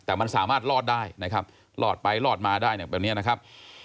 แต่มันสามารถรอดได้นะครับรอดไปรอดมาได้เนี่ยแบบนี้นะครับ